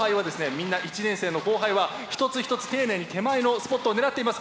みんな１年生の後輩は一つ一つ丁寧に手前のスポットを狙っています。